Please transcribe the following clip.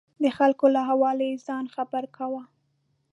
د خلکو له احواله یې ځان خبر کاوه.